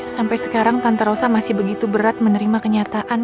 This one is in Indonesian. sampai sekarang tante rossa masih begitu berat menerima kenyataan